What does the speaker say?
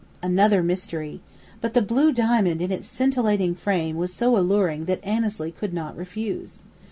Another mystery! But the blue diamond in its scintillating frame was so alluring that Annesley could not refuse.